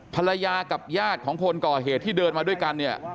ภรรยากับญาติของคนก่อเหตุที่เดินมาด้วยกันเนี่ย